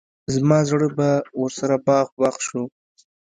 زما زړه به ورسره باغ باغ شو.